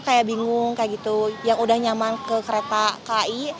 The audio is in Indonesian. kayak bingung kayak gitu yang udah nyaman ke kereta ki